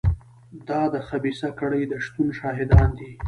دا د خبیثه کړۍ د شتون شاهدان دي.